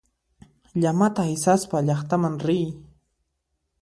Llamata aysaspa llaqtaman riy.